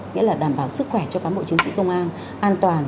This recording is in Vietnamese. nghĩa là đảm bảo sức khỏe cho cán bộ chiến sĩ công an an toàn